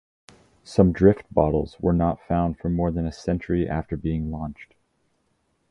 Some drift bottles were not found for more than a century after being launched.